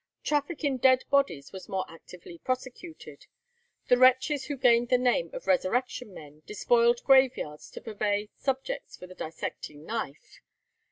Traffic in dead bodies was more actively prosecuted. The wretches who gained the name of Resurrection men despoiled graveyards to purvey subjects for the dissecting knife.